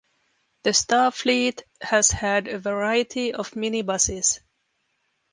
The Star fleet has had a variety of minibuses.